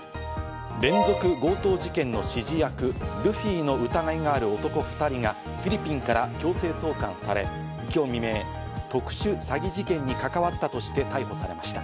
連続強盗事件の指示役ルフィの疑いがある男２人がフィリピンから強制送還され、今日未明、特殊詐欺事件に関わったとして逮捕されました。